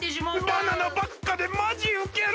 バナナばっかでまじウケる！